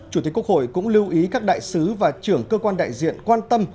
chủ tịch quốc hội cũng lưu ý các đại sứ và trưởng cơ quan đại diện quan tâm